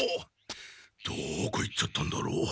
どこ行っちゃったんだろう？